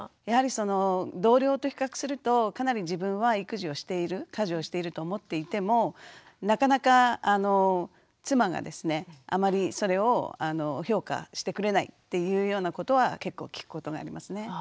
やはりその同僚と比較するとかなり自分は育児をしている家事をしていると思っていてもなかなか妻がですねあまりそれを評価してくれないっていうようなことは結構聞くことがありますね。